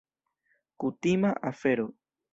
Kutima afero.